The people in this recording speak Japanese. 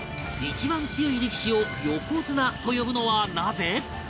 一番強い力士を横綱と呼ぶのはなぜ？